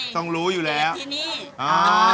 ต้องรู้อยู่แหละ